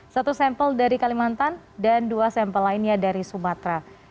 satu sampel dari kalimantan dan dua sampel lainnya dari sumatera